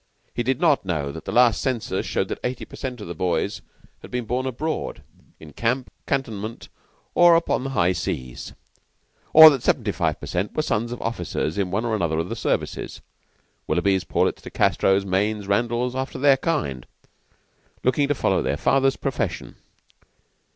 He did not know that the last census showed that eighty per cent. of the boys had been born abroad in camp, cantonment, or upon the high seas; or that seventy five per cent. were sons of officers in one or other of the services Willoughbys, Paulets, De Castros, Maynes, Randalls, after their kind looking to follow their fathers' profession.